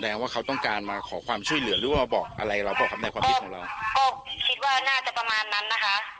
ว่าเขาต้องการมาขอความช่วยเหลือหรือว่าบอกอะไรเราบอกครับในความคิดของเราก็คิดว่าน่าจะประมาณนั้นนะคะ